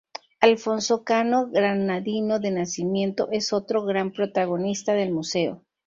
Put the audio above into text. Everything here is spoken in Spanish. Alonso Cano, granadino de nacimiento, es otro gran protagonista del Museo.